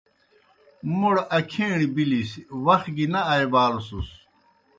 موْڑ اکھیݨیْ بِلِس وخ گیْ نہ آئیبالوْسُس۔